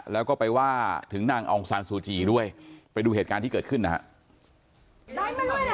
แล้วก็ไปว่าถึงนางองซานซูจีด้วยไปดูเหตุการณ์ที่เกิดขึ้นนะฮะ